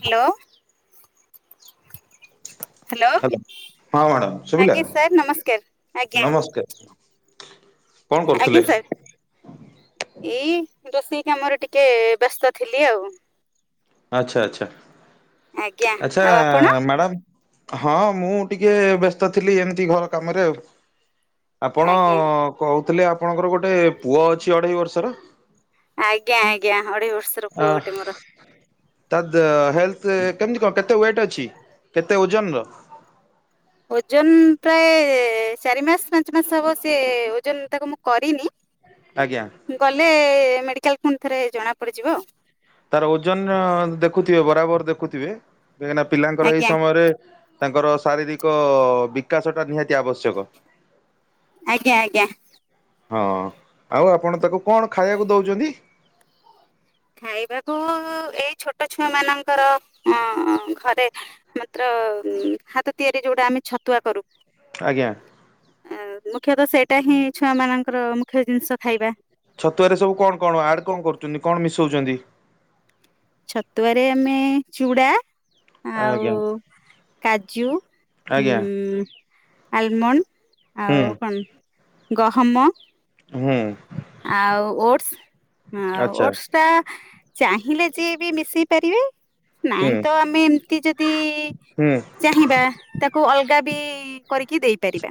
Hello. Hello ହଁ madam ଶୁଭିଲା ଆଜ୍ଞା ସାର୍ ନମସ୍କାର ଆଜ୍ଞା। ନମସ୍କାର କଣ କରୁଥିଲେ? ଆଜ୍ଞା ସାର୍ ଏଇ ରୋସେଇ ଆମର ଟିକେ ବ୍ୟସ୍ତ ଥିଲି ଆଉ ଆଚ୍ଛା ଆଚ୍ଛା। ଆଜ୍ଞା ଆଚ୍ଛା ଆଉ ଆପଣ ମ୍ୟାଡ଼ାମ ହଁ ମୁଁ ଟିକେ ବ୍ୟସ୍ତ ଥିଲି ଏମିତି ଘର କାମରେ ଆଉ। ଆପଣ ଆଜ୍ଞା କହୁ ଥିଲେ ଆପଣଙ୍କର ଗୋଟେ ପୁଅ ଅଛି ଅଢେଇ ବର୍ଷର। ଆଜ୍ଞା ଆଜ୍ଞା। ଅଢେଇ ବର୍ଷ ର ଆ ପୁଅ ଗୋଟେ ମୋର। ତା ଦେ ହେଲଥ କେମତି କଣ କେତେ ୱେଟ ଅଛି? କେତେ ଓଜନର? ଓଜନ ପ୍ରାୟ ସେ ଚାରି ମାସ ପାଞ୍ଚ ମାସ ହବ ସେ ଓଜନ ତାକୁ ମୁଁ କରିନି। ଆଜ୍ଞା ଗଲେ ମେଡିକାଲ ପୁଣି ଥରେ ଜଣା ପଡିଯିବ ଆଉ। ତାର ଓଜନ ଦେଖୁଥିବେ ବରାବର ଦେଖୁଥିବେ। କାହିଁକିନା ପିଲାଙ୍କର ଏଇ ଆଜ୍ଞା ସମୟରେ ତାଙ୍କର ଶାରୀରିକ ବିକାଶ ଟା ନିହାତି ଆବଶ୍ୟକ। ଆଜ୍ଞା ଆଜ୍ଞା। ହଁ ଆଉ ଆପଣ ତାକୁ କଣ ଖାଇବାକୁ ଦଉଛନ୍ତି। ଖାଇବାକୁ ଏଇ ଛୋଟ ଛୋଟ ଛୁଆ ମାନଙ୍କର ଅ ଘରେ ମାତ୍ର ହାତ ତିଆରି ଯୋଉଟା ଆମେ ଛତୁଆ କରୁ। ଆଜ୍ଞା। ଆ ମୁଖ୍ୟତଃ ସେଇଟା ହିଁ ଛୁଆ ମାନଙ୍କର ମୁଖ୍ୟ ଜିନିଷ ଖାଇବା। ଛତୁଆରେ ସବୁ କଣ କଣ ଆଡ କଣ କରୁଛନ୍ତି କଣ ମିଶଉଛନ୍ତି। ଛତୁଆରେ ଆମେ ଚୁଡା ଆଉ ଆଜ୍ଞା କାଜୁ। ଆଜ୍ଞା ଆଲମଣ୍ଡ। ହୁଁ ଆଉ କଣ? ଗହମ। ହୁଁ। ଆଉ ଓଟସ ଆଚ୍ଛା ଓଟସ ଟା। ଚାହିଁଲେ ଯିଏ ବି ମିଶେଇ ପାରିବେ। ହୁଁ ନାଇଁ ତ ଆମେ ଏମିତି ଯଦି ହୁଁ ଚାହିଁବା ତାକୁ ଅଲଗା ବି କରିକି ଦେଇପାରିବା।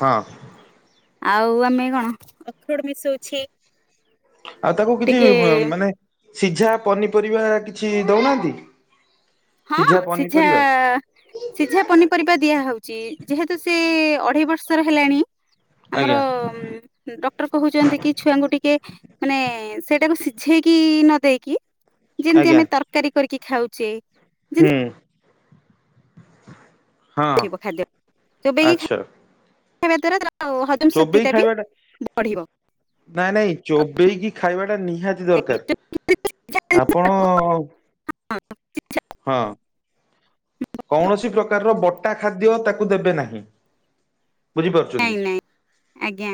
ହଁ ଆଉ ଆମେ କଣ ଅଖରଡ ମିଶଉଛି। ଆଉ ତାକୁ କିଛି ଟିକେ ମାନେ ସିଝା ପନିପର କିଛି ଦେଉନାହାନ୍ତି। ହଁ ସିଝା ସିଝା ପନିପରିବା ଦିଆ ହଉଛି ଯେହେତୁ ସେ ଅଢ଼େଇ ବର୍ଷର ହେଲାଣି। ଆମର ଆଜ୍ଞା ଡକ୍ଟର କହୁଛନ୍ତି କି ଛୁଆଙ୍କୁ ଟିକେ ମାନେ ସେଇଟାକୁ ବୁଝକି ନ ଦେଇେଇକି ଯେମତି ଆଜ୍ଞା ଆମେ ତରକାରୀ କରିକି ଖାଉଛେ। ହୁଁ। ଯେମିତି ହଁ ଥିବ ଆଛା। କେ ଚୋବେଇ ଖାଇବାଟା ନାଇଁ ନାଇଁ ଚୋବେଇକି ଖାଇବା ଟା ନିହାତି ଦରକାର ଆପଣ ହଁ। ହଁ କୌଣସି ପ୍ରକାରର କଟା ଖାଦ୍ୟ ତାକୁ ଦେବେ ନାହିଁ। ବୁଝିପାରୁଛନ୍ତି ନାଇଁ ନାଇଁ ଆଜ୍ଞା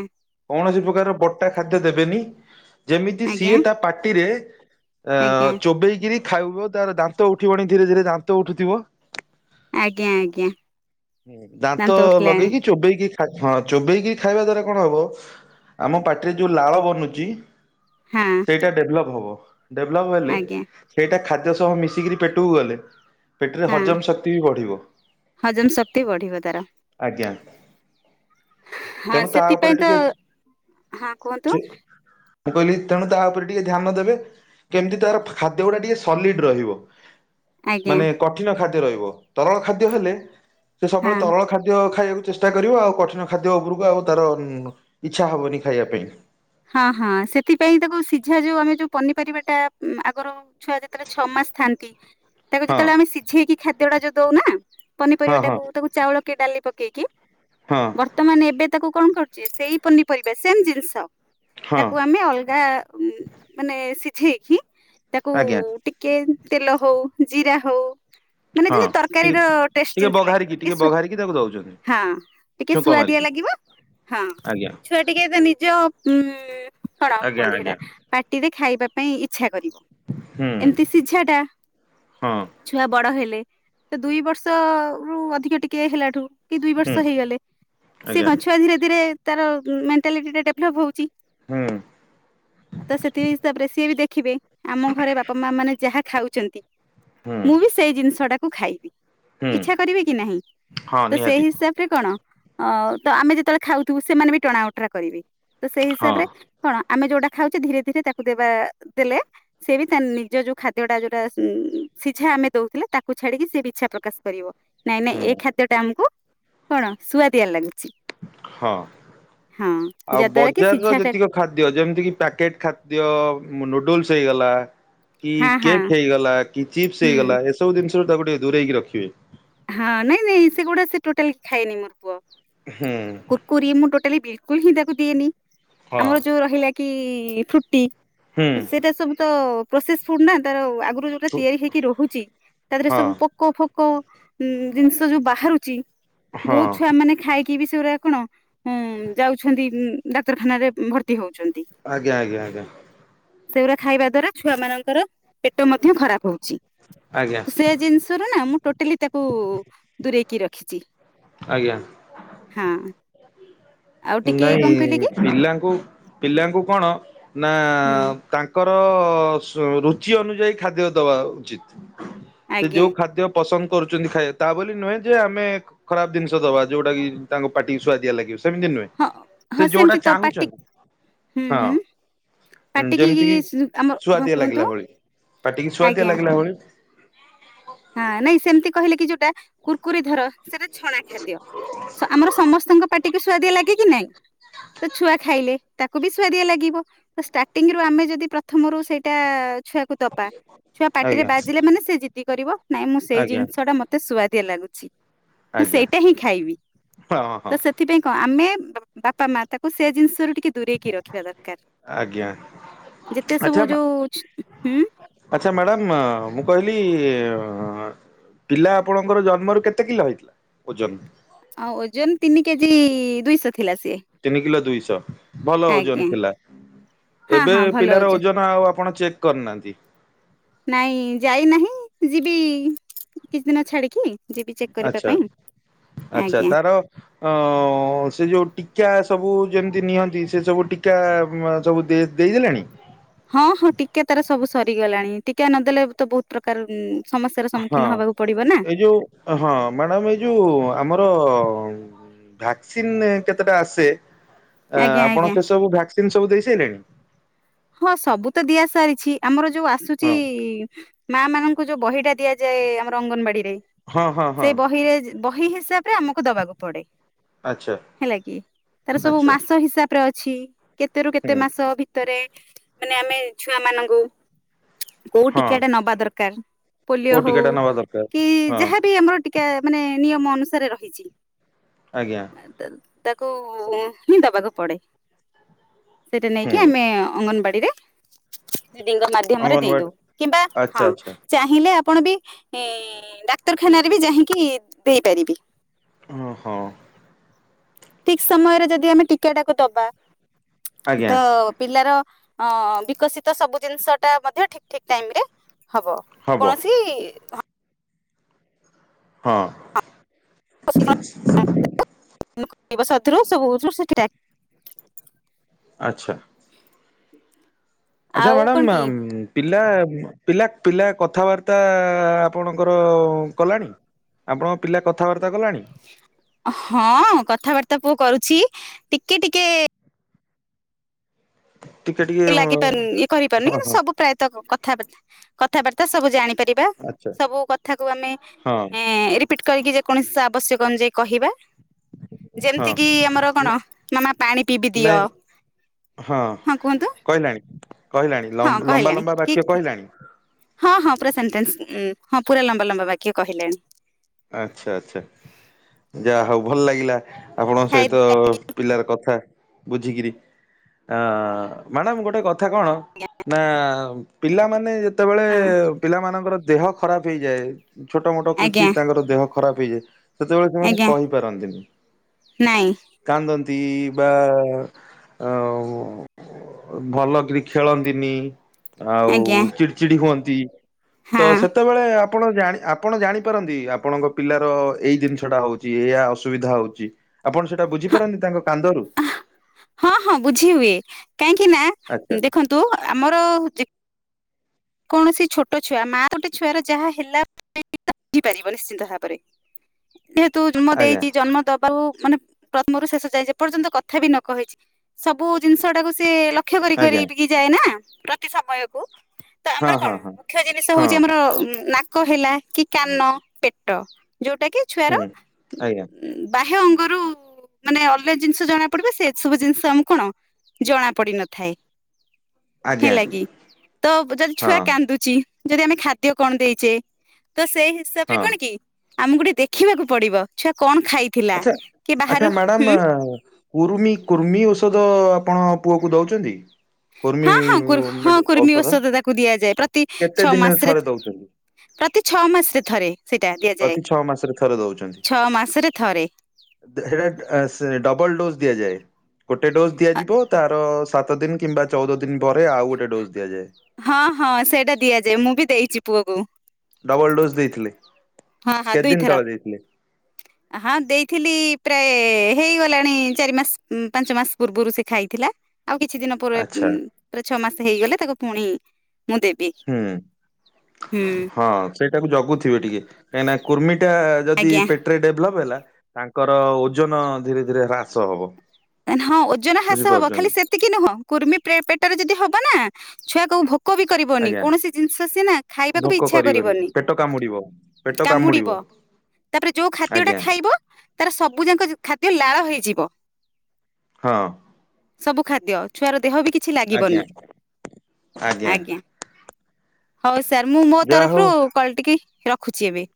କୌଣସି ପ୍ରକାର ଖାଦ୍ୟ ଦେବେନି। ଯେମିତି ଆଜ୍ଞା ସିଏ ତା ପାଟିରେ ଆଜ୍ଞା [unintelligible] ଚୋବେଇ କି ଗିରି ଖାଇ ତାର ଦାନ୍ତ ଉଠିବଣି ଧୀରେ ଧୀରେ ଦାନ୍ତ ଉଠୁଥିବ। ଆଜ୍ଞା ଆଜ୍ଞା [inaudible] ଦନ୍ତ ଉଠିଲାଣି। ଚୋବେକି ହଁ ଚୋବେଇକି ଖାଇବା ଦ୍ଵାରା କଣ ହବ ଆମ ପାଟିରେ ଯୋଉ ଲାଳ ବନୁଛି। ହଁ [inaudible] ସେଇଟା ଡେଭଲପ ହବ। ଡେଭଲପ ହେଲେ ଆଜ୍ଞା ସେଇଟା ଖାଦ୍ୟ ସହ ମିଶିକରି ପେଟକୁ ଗଲେ। ପେଟରେ ହଁ ହଜମ ଶକ୍ତି ବି ବଢିବ [inaudible] ହଜମ ଶକ୍ତି ବଢିବ ତାର ଆଜ୍ଞା ହଁ ତେଣୁ ତା ଉପରେ ସେଥିପାଇଁ ତ ଟିକେ ହଁ କୁହନ୍ତୁ? ମୁ କହିଲି ତେଣୁ ତା ଉପରେ ଟିକେ ଧ୍ୟାନ ଦେବେ କେମିତି ତାର ଖାଦ୍ୟ ଗୁଡା ଟିକେ ସଲିଡ ରହିବ। ଆଜ୍ଞା ମାନେ କଠିନ ଖା ରହିବ ତରଳ ଖାଦ୍ୟ ହେଲେ। ସେ ହଁ ସବୁବେଳେ ତରଳ ଖାଦ୍ୟ ଖାଇବା ଚେଷ୍ଟା କର ଆଉ କଠିନ ଖାଦ୍ୟ ଉପରକୁ ଆଉ ତାର ଇଚ୍ଛା ହବନି ଖାଇବା ପାଇଁ। ହଁ ହଁ ସେଥିପାଇଁ ତାକୁ ସିଝା ଯୋଉ ଆମେ ଯୋଉ ପନିପାରିବା ଟା ଆଗର ଛୁଆ ଯେତେବେଳେ ଛଅ ମାସ ଥାଆନ୍ତି। ତାକୁ ହଁ ଯେତେବେଳେ ଆମେ ସିଝେଇକି ଖ। ଦେଡା ଯଉ ଦଉନା ହଁ ହଁ ପନିପରିବାଟାକୁ ତାକୁ ଚାଉଳ କି ଡାଲି ପକେଇକି ହଁ [inaudible] ବର୍ତ୍ତମାନ ଏବେ ତାକୁ କଣ କରୁଛି ସେଇ ପନିପରିବା ସେମ ଜିନିଷ ହଁ ତାକୁ ଆମେ ଅଲଗା ମାନେ ଠିକ୍। ତାକୁ ଆଜ୍ଞା ଟିକେ ତେଲ ହଉ ଜିରା ହଉ। ମାନେ ହଁ ଯେମତି ଟିକେ ତରକାରୀର ଟେଷ୍ଟ ଟିକେ ଯେମତି ଲାଗିବ ବଘାରିକି ଟିକେ ବଘାରିକି ତାକୁ ଦଉଛନ୍ତି [inaudible] ହଁ ଟିକେ ଛୁଙ୍କ ସୁଆଦଆ ମାରିକି ଲାଗିବ ହଁ ଆଜ୍ଞା ଛୁଆ ଟିକେ ନିଜ ଉଁ କନ ଆଜ୍ଞା କୁହନ୍ତି ସେଟା ଆଜ୍ଞା ପାଟି ଦେ ଖାଇବା ପାଇଁ ଇଚ୍ଛା। ହୁଁ ଏମତି ସିଝା ଟା ହଁ ଛୁଆ ବଡ ହେଲେ ସେ ଦୁଇ ବର୍ଷ ରୁ ଅଧିକ ଟିକେ ହେଲାଠୁ। କି ଦୁଇ ହୁଁ ବର୍ଷ ହେଇଗଲେ ସେ ଆଜ୍ଞା କ ଛୁଆ ଧୀରେ ଧୀରେ। ତାର ମେଣ୍ାଲିଟି ଟ ଡେଭଲପ ହଉଛି। ହୁଁ ଆ ତ ସେଠ ତାପରେ ସିଏ ବି ଦେଖ ଦେଖିବେ ଆମ ଘରେ ବାପା ମା ମାନେ ଯାହା ଖାଉଛନ୍ତି ହୁଁ ମୁଭିି ସେଇ ଜିନିଷଟା କୁ ଖାଇବି। ହୁଁ ଇଛା କରିବେ କି ନାହିଁ ହଁ ତ ସେଇ ନିହାତି ହିସାବରେ କଣ ଅ ତ ଆମେ ଯେତେବେଳେ ଖାଉଥିବୁ ସେମାନେ ବି ଟଣା ଓଟରା କରିବେ। ତ ସେଇ ହଁ ହିସାବରେ କଣ ଆମେ ଯୋଉଟା ଖାଉଛେ ଧୀରେ ଧୀରେ ତାକୁ ଦେବା ଦେଲେ ସେ ବି ତା ନିଜ ଯୋଉ ଖାଦ୍ୟଟା ଯୋଉଟା ସିଝା ଆମେ ଦଉଥିଲେ ତାକୁ ଛାଡିକି ସି ବି ଇଛା ପ୍ରକାଶ କରିବ। ନାଇଁ ନାଇଁ ହୁଁ ଏ ଖାଦ୍ୟ ଟା ଆମକୁ କଣ ଶୁଆ ତିଆରି ଲାଗୁଛି। ହଁ ହଁ ଆଉ ଯାହା ଦ୍ୱାରା ବଜାରର ଯେତିକି ଖାଦ୍ୟ ଯେମିତିକି ପ୍ୟାକେଟ୍ ଖାଦ୍ୟ ନୁଡଲ ହେଇଗଲା କି ହଁ ହଁ କେକ୍ ହେଇଗଲା କି ଚିପ୍ସ ହୁଁ ହେଇଗଲା ଏସବୁ ଜିନିଷ ତାକୁ ଟିକେ ଦୂରେଇକି ରଖିବେ। ହଁ ନାଇଁ ନାଇଁ ସେଗୁଡା ସେ ଟୋଟାଲ ଖାଇନି ମୋର ପୁଅ ହୁଁ କୁର୍କୁରି ମୁ ଟୋଟଲି ବ କୁଲ ହ ତାକୁ ଦିନି ହଁ ଆମର ଯୋଉ ରହିଲା କି କି ଫ୍ରୁଟି ହୁଁ ସେଇଟା ସବୁ ତ ପ୍ରୋସେସ ଫୁଡ ନା ତାର। ଯୋଉଟା ତିଆରି ହେଇକି ରହୁଛି ତା ଦେହରେ ହଁ ସବୁ ପୋକ ଫୋକ କୁ ଉଁ ଜିନିଷ ଯୋଉ ବାହାରୁଛି। ହଁ ବହୁତ ଛୁଆ ମାନେ ଖାଇ କି ବିଷୟରେ କଣ ଯାଉଛନ୍ତି ଡାକ୍ତରଖାନାରେ ଭର୍ତ୍ତି ହଉଛନ୍ତି। ଆଜ୍ଞା ଆଜ୍ଞା ଆଜ୍ଞା। ସେଗୁଡା ଖାଇବା ଦ୍ଵାରା ଛୁଆ ମାନଙ୍କର ପେଟ ମଧ୍ୟ ଖରାପ ହଉ। ଆଜ୍ଞା ସେ ଜିନିଷ ର ନା ମୁଁଟା କୁ ଦୂରେଇକି ରଖିଛି। ଆଜ୍ଞା। ହଁ ଆଉ ଟିକେ ନାଇଁ କଣ କହିଲେ କି ପିଲାଙ୍କୁ ପିଲାଙ୍କୁ କଣ ନା ହୁଁ ତାଙ୍କ ରୁଚି ଅନୁଯାୟୀ ଖାଦ୍ୟ ଦବା ଉଚିତ୍ ସେ ଆଜ୍ଞା ଯୋଉ ଖାଦ୍ୟ ପସନ୍ଦ କରୁଛନ୍ତି ଖାଇ ତା ବୋଲି ନୁହେଁ ଯେ ଆମେ ଖରାପ ଜିନିଷ ଦବା ଯୋଉଟା କି ତାଙ୍କ ପାଟିକୁ ସୁଆଦିଆ ଲାଗିବ ସେମିତି ହଁ ସେ ହଁ ଯୋଉଟା ସେମିତି ତ ପାଟି ଚାହୁଁଛନ୍ତି ହୁଁ ହଁ ହୁଁ ପାଟିକି ଯେମିତିକି ଆମର ହଁ ସୁଆଦିଆ କୁହନ୍ତୁ ଲାଗିଲା ଭଳି ପାଟିକି ସୁଆଦିଆ ଆଜ୍ଞା ଲାଗିଲା ଭଳି ହଁ ନାଇଁ ସେମିତି କହିଲେ କି ଯୋଉଟା କୁର୍କୁରି ଧର ସେଟା ଛଣା ଖାଦ୍ୟ ଆମର ସମସ୍ତଙ୍କ ପାଟିକୁ ସୁଆଦିଆ ଲାଗେ କି ନାଇଁ ତ ଛୁଆ ଖାଇଲେ ତାକୁ ବି ସୁାଦିଆ ଲାଗିବ ଷ୍ଟାର୍ଟିଂ ରୁ ଆମେ ଯଦି ପ୍ରଥମରୁ ସେଇଟା ଛୁଆକୁ ଦବା ଛୁଆ ପାଟି ରେ ଆଜ୍ଞା ବାଜିଲେ ମାନେ ସେ ଜ ତି କରିବ ନାଇଁ ମୁଁ ସେଇ ଆଜ୍ଞା ଜିନିଷ ଟା ମତେ ସୁଆଦ ଦିଆ ଲାଗୁଛି ମୁଁ ଆଜ୍ଞା ସେଇଟା ହିଁ ଖାଇବି ହଁ ହଁ। ତ ସେଥିପାଇଁ କଣ ଆମେ ବ୍ ବାପା ମା ତାକୁ ସେ ଜିନିଷ ର ଟିକେ ଦୂରେଇକି ରଖିବା ଦରକାର ଆଜ୍ଞା ଯେତେ ସବୁ ଆଚ୍ଛା ଯୋଉ ହ ଆଚ୍ଛା ମ୍ୟାଡ଼ାମ ମୁଁ କହିଲି ପିଲା ଆପଣଙ୍କର ଜନ୍ମରୁ କେତେ କିଲୋ ହେଇଥିଲା ଓଜନ? ଆଉ ଓଜନ ତିନି କେଜି ଦୁଇଶହ ଥିଲା ସିଏ ତିନ କିଲୋ ଦୁଇଶହ ତ ଭଲ ଓଜନ ଆଜ୍ଞା ଥିଲା ହଁ ଏବେ ହଁ ଭଲ ପିଲାର ଓଜନ ଆଉ ଆପଣ ଚେକ୍ କରିନାହାନ୍ତି? ନାଇଁ ଯାଇନାହିଁ ଯିବି କିଛି ଦିନ ଛାଡିକି ଯିବି ଚେକ୍ କରିବା ଆଛା ପାଇଁ ଆଛା ଆଜ୍ଞା ତାର ଅ ସେ ଯୋଉ ଟିକା ସବୁ ଯେମିତି ନିଅନ୍ତି ସେ ସବୁ ଟୀକା ସବୁ ଦେଇଦେଲେଣି? ହଁ ହଁ ଟିକା ତାର ସବୁ ସରି ଗଲାଣି ଟିକା ନଦଲେ ତ ବହୁତ ପ୍ରକାର ସମସ୍ୟାର ହଁ ସମ୍ମୁଖୀନ ହବାକୁ ପଡିବ ନା ଏଇ ଯୋଉ ହଁ ମ୍ୟାଡ଼ାମ ଏଇ ଯୋଉ ଆମର ଭ୍ୟାକ୍ସିନ୍ କେତେଟା ଆସେ? ଆ ଆଜ୍ଞା ଆପଣ ଆଜ୍ଞା ସେ ସବୁ ଭ୍ୟାକ୍ସିନ ସବୁ ଦେଇ ଦେଲେଣି ହଁ ସବୁ ତ ଦିଆ ସାରିଛି ଆମର ଯୋଉ ଆସୁଛି ହଁ ମା ମାନଙ୍କ ଯୋଉ ବହିଟା ଦିଆଯାଏ ଆମର ଅଙ୍ଗନବାଡିରେ ହଁ ହଁ ସେ ହଁ ବହିରେ ବହି ହିସାବରେ ଆମକୁ ଦବାକୁ ପଡେ ଆଚ୍ଛା ହେଲା କି ତାର ସବୁ ଆଚ୍ଛା ମାସ ହିସାବ ପ୍ରେ ଅଛି। କେତେ ରୁ କେତେ ହୁଁ ମାସ ଭିତରେ ମାନେ ଆମେ ଛୁଆ ମାନଙ୍କୁ କୋଉ ହଁ ଟୀକା ଟା ନବା ଦରକାର ପୋଲିଓ କୋଉ ହଉ ଟିକା ଟା ନବା ଦରକାର କି ହଁ ଯାହାବି ଆମର ଟୀକା ମାନେ ନିୟମ ଅନୁସାରେ ରହିଛି। ଆଜ୍ଞା ଏ ତ ତାକୁ ହିଁ ଦବାକୁ ପଡେ। ସେଇଟା ନେଇକି ହୁଁ ଆମେ ଗାଡି ରେ ଦିଦିଙ୍କ ମାଧ୍ୟମରେ ଦେଇ ଅଙ୍ଗନବାଡି ଦଉ କିମ୍ବା ଆଚ୍ଛା ହଁ ଆଚ୍ଛା ଚାହିଁଲେ ଆପଣ ବି ଡାକ୍ତରଖାନାରେ ବି ଯାଇକି ଦେଇପାରିବେ। ଓ ହୋ। ଠିକ ସମୟରେ ଯଦି ଆମେ ଟିକାଟାକୁ ଦବା ଆଜ୍ଞା ତ ପିଲାର ଅ ବିକଶିତ ସବୁ ଜିନିଷ ଟା ମଧ୍ୟ ଠିକ ଠିକ ଟାଇମ ରେ ହବ, କୌଣସି ହଁ। [unintelligible] ସାଥିରୁ ସବୁ [unintelligible] ସେଠି ଟା ଆଚ୍ଛା। ଆଛା ଆଉ କଣ ମ୍ୟାଡ଼ାାମ କି ପିଲା ପିଲା ପିଲା କଥାବାର୍ତ୍ତା ଆପଣଙ୍କର କଲାଣି ଆପଣଙ୍କ ପିଲା କଥାବା ହଁ କଥାବାର୍ତ୍ତା ପୁଅ କରୁ ଚି ଟିକେ ଟିକେ ଟିକେ ଟିକେ ଲାଗି ପାରୁନି ହଁ ଇଏ କରିପାରୁନି କିନ୍ତୁ ହଁ ସବୁ ପ୍ରାୟତଃ କ ଥାବାର୍ତ୍ତା କଥାବାର୍ତ୍ତା ସବୁ ଜାଣି ପାରିବା ଆଚ୍ଛା। ସବୁ କଥାକୁ ଆମେ ହଁ ଏଁ ରି ପିଟ କରିକି ଯେକୌଣସି ଆବଶ୍ୟକ ଅନୁଯାୟୀ କହିବା ହଁ ଯେମିତି କିି ଆମର କଣ ମାମା ପାଣି ପିଇବି ଦିଅ। ନାଇଁ ହଁ କୁହନ୍ତୁ। କହିଲାଣି କହିଲାଣି ହଁ ଲ-ଲମ୍ବା କହିଲାଣି ଲମ୍ବା କି ବାକ୍ୟ କହିଲାଣି? ହଁ ହଁ ପୁରା ସେଟେନ୍ସ ହଁ ପୁରା ଲମ୍ବା ଲମ୍ବା ବାକ୍ୟ କହିଲାଣି। ଆଚ୍ଛା ଆଚ୍ଛା ଯାହା ହୋଉ ଭଲ ଲାଗିଲା। ଆପଣଙ୍କ ଖାଇ ସହିତ ପିଲାର କଥା ବୁଝିକିରି ଆ ମ୍ୟାଡାମ୍ ଗୋଟେ କ ଥା କଣ ନାଁ ପିଲାମାନେ ଯେ ଯେତବେଳେ ହଁ ପିଲାମାନଙ୍କର ଦେହ ଖରାପ ହେଇଯାଏ। ଛୋଟ ମୋଟ କିଛିି ଆଜ୍ଞା ଖରାପ ହେଇଯାଏ ସେତେବେଳେ ସେମାନେ ଆଜ୍ଞା କହିପାରନ୍ତିନି ନାଇଁ କାନ୍ଦନ୍ତି। ଦି ବା ଭଲ କି ଖେଳନ୍ତିନି। ଆଉ ଆଜ୍ଞା ଚିଡ଼ିଚିଡି ହୁଅ [inaudible] ତ ହଁ ସେତେବେଳେ ଆପଣ ଜା ଆପ ଜାପାରନ୍ତି। ଆପଣଙ୍କ ପିଲାର ଏଇ ଜିନିଷ ଟା ହଉଛି ଏୟଆ ଅସୁବିଧା ହଉଛି ଆପଣ ସେଇଟା ବୁଝିପାରନ୍ତି ତାଙ୍କ କାନ୍ଦରୁ ହଁ ହଁ ବୁଝି ହୁଏ। କାହିଁକି ନା ଆଚ୍ଛା ଦେଖନ୍ତୁ ଆମର କୌଣସି ଛୋଟ ଛୁଆ ମା ଗୋଟେ ଛୁଆର ଯାହା ହେଲା [unintelligible] ବଝପାର ନିଶ୍ଚିନ୍ତ ଭାବରେ। ଯେହେତୁ ଜନ୍ମ ଆଜ୍ଞା ଦେଇଛି ଜନ୍ମ ଦବାକୁଉ ମାନେ ପ୍ରଥମରୁ ଶେଷ ଯାଏ ଯେପର୍ଯ୍ୟନ୍ତ କଥା ବି ନ କହିଛି ସବୁ ଜିନିଷ ଟାକୁ ସେ ଲକ୍ଷ କରି ଆଜ୍ଞା କରି ଯାଏ ନା। ପ୍ରତି ସମୟକୁ। ତ ହଁ ଆମର କଣ ହଁ ହଁ ମୁଖ୍ୟ ଜିନିଷ ହଁ ହଉଛି ଆମର ନା କହଲା କି କାନ ପେଟ। ଯୋଉଟା କି ଛୁଆର ହୁଁ ଆଜ୍ଞା ବାହ୍ୟ ଅ ଆଗରୁ ମାନେ ଅଲ ଜିନିଷ ଜଣା ପଡିବେ ସେ ସବୁ ଜିନିଷ ଆମ କଣ ଜଣା ପଡି ନଥାଏ। ଆଜ୍ଞା ହେଲା କି ତ ଯଦି ହଁ ଛୁଆ କାନ୍ଦୁଚି। ଯଦି ଆମେ ଖାଦ୍ୟ କଣ ଦେଇଚେ। ତ ସେଇ ହିସାବ ରେ ହଁ କଣ କି? ଆମକୁ ଗୋଟେ ଦେଖିବାକୁ ପଡିବ ଛୁ ଆଚ୍ଛା ଆଚ୍ଛା ହୁଁ ମ୍ୟାଡ଼ାମ କୁରୁର୍ମି କୁର୍ମି ଔଷଧ ଆପଣ ପୁଅ କ ଦଉଛନ୍ତି। କୁର୍ମି ହଁ ହଁ ହଁ କୁର୍ମୀ ଔଷଧ ତାକୁ ଦିଆଯାଏ। ପ୍ରତି କେତେ ଛଅ ଦିନରେ ମାସରେ ଥରେ ଦଉଛନ୍ତି? ପ୍ରତି ଛଅ ମାସରେ ଥରେ ସେଇଟା ଦିଆଯାଏ। ପ୍ରତି ଛଅ ମାସରେ ଥରେ ଦଉଛନ୍ତି। ଛଅ ମାସରେ ଥରେ ହେଟା ସେ ଡ ଡବଲ ଡୋଜ ଦିଆଯା। ଗୋଟେ ଡୋଜ ଦିଆଯିବ ତାର ସାତ ଦିନ କିମ୍ବା ଚଉଦ ଦିନ ପରେ ଆଉ ଗୋଟେ ଡୋଜ୍ ଦିଆଯାଏ। ହଁ ହଁ ସେଇଟା ଦିଆଯାଏ ମୁଁ ବି ଦେଇଛି ପୁଅକୁ। ଡବଲ୍ ଡୋଜ୍ ଦେଇଥିଲେ। ହଁ ହଁ କେତେ ଦିନ ଦୁଇଥର ତଳେ ଦେଇଥିଲେ ହଁ ଦେଇଥିଲି। ପ୍ରାୟ ହେଇଗଲାଣି ଚାରି ମାସ ପାଞ୍ଚ ମାସ ପୂର୍ବରୁ ସେ ଖାଇଥିଲା। ଆଉ କିଛି ଦିନ ପରେ ଆଚ୍ଛା ଛଅ ମାସ ହେଇଗଲେ ତାକୁ ପୁଣି ମୁଁ ଦେବି ହୁଁ ହୁଁ ହଁ ସେଇଟାକୁ ଜଗୁଥିବେ ଟିକେ। କାଇଁ ନା କୁର୍ମି ଏଇଟା ଯଦି ଆଜ୍ଞା ପେଟରେ ଡେଭଲପ ହେଲା। ତାଙ୍କର ଓଜନ ଧୀରେ ଧୀରେ ହ୍ରାସ ହବ। ହଁ ଓଜନ ହ୍ରାସ ହବ ଖାଲି ବୁଝିପାରୁଛନ୍ତି ସେତିକି ନୁହଁ କୁର୍ମି ପେଟରେ ଯଦି ହବ ନା ଛୁଆ କୋଉ ଭୋକ ଭୋକ ବି କରିବନି ଆଜ୍ଞା। କୌଣସି ଜିନିଷ ସିଏନା ଖାଇବାକୁ ବି ଭୋକ ଇଚ୍ଛା କରିବନି ପେଟ କାମୁଡିବ ପେଟ କାମୁଡିବ ତାପରେ ଯଉ ଖାଦ୍ୟ ଟା ଆଜ୍ଞା ଖାଇବ ତାର ସବୁ ଯାକ ଖାଦ୍ୟ ଲାଳ ହେଇଯିବ। ହଁ ସବୁ ଖାଦ୍ୟ ଛୁଆର ଦେହ ବି କିଛି ଲାଗିବନି ଆଜ୍ଞା ଆଜ୍ଞା। ହ ଇସ ସାର୍ ମୁଁ ମୋ ଯାହା ହଉ ତରଫରୁ କଲ ଟିକି ରଖୁଛି ଏବେ।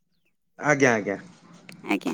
ଆଜ୍ଞା ଆଜ୍ଞା। ଆଜ୍ଞା